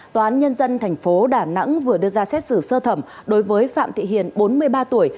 tòa án nhân dân tp đà nẵng vừa đưa ra xét xử sơ thẩm đối với phạm thị hiền bốn mươi ba tuổi